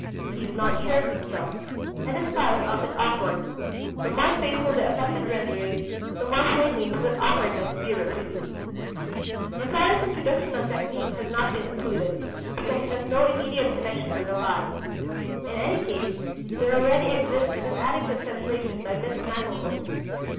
He is not sure of himself, and his style is often awkward. The more faithful the attempted rendering, the more plainly must that awkwardness be reproduced. Vasari's Introduction on Technique has not been included, because it has no immediate connection with the Lives. In any case, there already exists an adequate translation by Miss Maclehose.